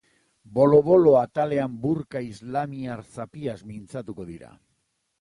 Bolo-bolo atalean burka islamiar-zapiaz mintzatuko dira.